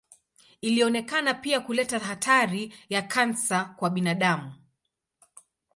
Ilionekana pia kuleta hatari ya kansa kwa binadamu.